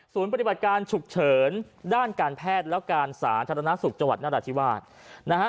ศูนย์ปฏิบัติการฉุกเฉินด้านการแพทย์และการสารทัศนาศุกร์จังหวัดนราธิวาสนะฮะ